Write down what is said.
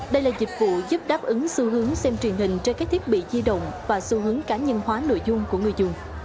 đây là dịch vụ giúp đáp ứng xu hướng xem truyền hình trên các thiết bị di động và xu hướng cá nhân hóa nội dung của người dùng